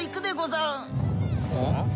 うん？